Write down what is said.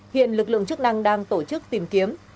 hiện lực lượng chức năng đang tổ chức tìm kiếm